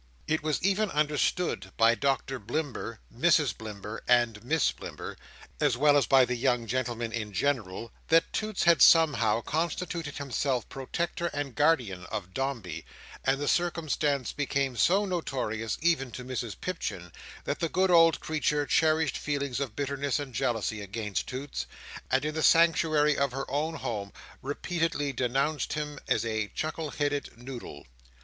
It was even understood by Doctor Blimber, Mrs Blimber, and Miss Blimber, as well as by the young gentlemen in general, that Toots had somehow constituted himself protector and guardian of Dombey, and the circumstance became so notorious, even to Mrs Pipchin, that the good old creature cherished feelings of bitterness and jealousy against Toots; and, in the sanctuary of her own home, repeatedly denounced him as a "chuckle headed noodle."